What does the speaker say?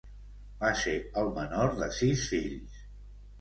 Va ser el menor de sis fills.